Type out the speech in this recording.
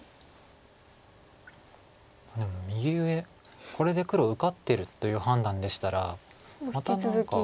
でも右上これで黒受かってるという判断でしたらまた何か。